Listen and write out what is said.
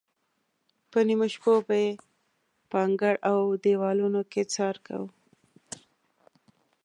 په نیمو شپو به یې په انګړ او دیوالونو کې څار کاوه.